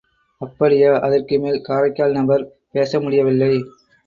அப்படியா?... அதற்கு மேல் காரைக்கால் நபர் பேச முடிய வில்லை.